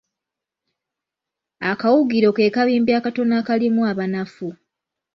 Akawugiro ke kabimbi akatono akalimwa abanafu.